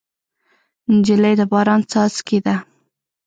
نجلۍ د باران څاڅکی ده.